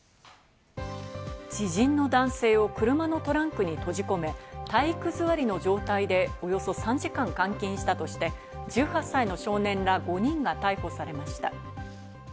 知人の男性を車のトランクに閉じ込め、体育座りの状態でおよそ３時間監禁したとして、１８歳の少年ら５人が逮捕されました。